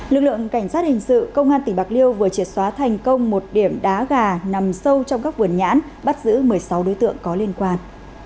lực lượng cảnh sát hình sự công an tỉnh bạc liêu vừa triệt xóa thành công một điểm đá gà nằm sâu trong các vườn nhãn bắt giữ một mươi sáu đối tượng có liên quan